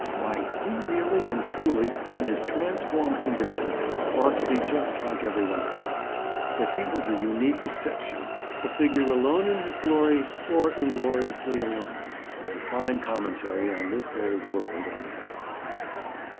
Why, he really and truly, in his transformed condition, ought to be just like every one else. That he was a unique exception—a figure alone in his glory, or ingloriously alone—was a fine commentary on this old world, anyhow.